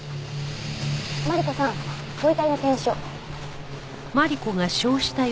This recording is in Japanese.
マリコさんご遺体の検視を。